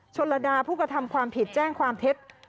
ชนฤดาภูกธรรมความผิดแจ้งความเท็จ